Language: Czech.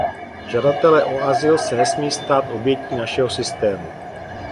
Žadatelé o azyl se nesmí stát obětí našeho systému.